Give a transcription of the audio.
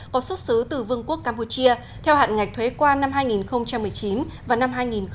có xuất xứ từ vương quốc campuchia theo hạn ngạch thuế quan năm hai nghìn một mươi chín và năm hai nghìn hai mươi